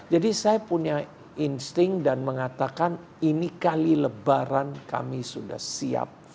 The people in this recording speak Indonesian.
jadi saya punya insting dan mengatakan ini kali lebaran kami sudah siap fight